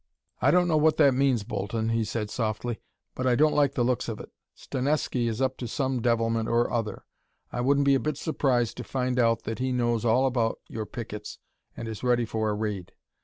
"I don't know what that means, Bolton," he said softly, "but I don't like the looks of it. Stanesky is up to some devilment or other. I wouldn't be a bit surprised to find out that he knows all about your pickets and is ready for a raid."